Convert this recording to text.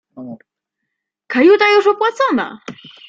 — Kajuta już opłacona!